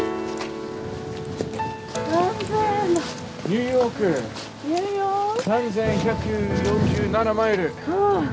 ニューヨーク３，１４７マイル。